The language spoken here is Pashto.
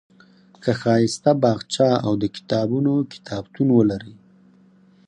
که ښایسته باغچه او د کتابونو کتابتون ولرئ.